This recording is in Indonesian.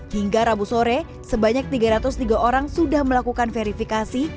hingga rabu sore sebanyak tiga ratus tiga orang sudah melakukan verifikasi